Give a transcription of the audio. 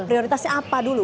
prioritasnya apa dulu